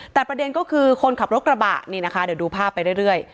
แต่ประเด็นก็คือคนขับรถกระบะนี่นะคะเดี๋ยวดูภาพไปเรื่อย